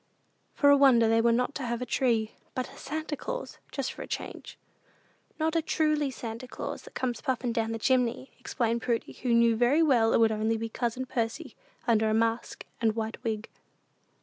For a wonder they were not to have a Tree, but a Santa Claus, "just for a change." "Not a truly Santa Claus, that comes puffin' down the chimney," explained Prudy, who knew very well it would be only cousin Percy under a mask and white wig.